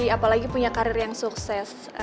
apalagi punya karir yang sukses